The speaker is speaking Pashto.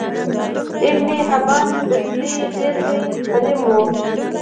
ابن حبان بستي ډیر لوی عالم وو